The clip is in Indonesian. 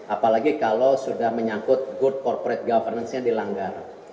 apalagi kalau sudah menyangkut good corporate governance nya dilanggar